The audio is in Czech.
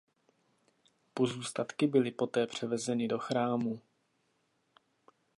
Pozůstatky byly poté převezeny do chrámu.